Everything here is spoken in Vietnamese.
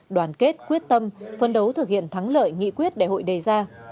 đoàn kết quyết tâm phân đấu thực hiện thắng lợi nghị quyết đại hội đề ra